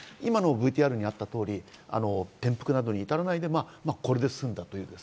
今のＶＴＲにあったように、転覆などに至らないで、これで済んだ。